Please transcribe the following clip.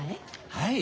はい。